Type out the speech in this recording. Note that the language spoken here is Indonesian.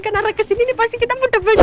karena arah kesini pasti kita muntah banget